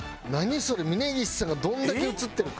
峯岸さんがどれだけ映ってるか？